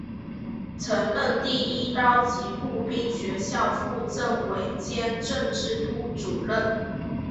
曾任第一高级步兵学校副政委兼政治部主任。